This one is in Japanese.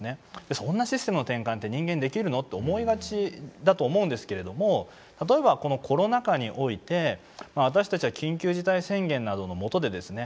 そんなシステムの転換って人間にできるの？って思いがちだと思うんですけれども例えばこのコロナ禍において私たちは緊急事態宣言などの下でですね